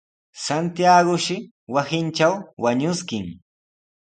Santiagoshi wasintraw wañuskin.